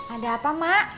ada apa mak